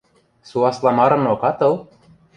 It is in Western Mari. – Суасламарынок ат ыл?